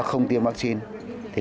không tiêm vaccine